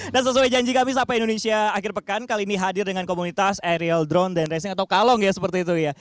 nah sesuai janji kami sapa indonesia akhir pekan kali ini hadir dengan komunitas aerial drone dan racing atau kalong ya seperti itu ya